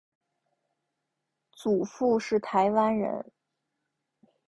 祖父是台湾人。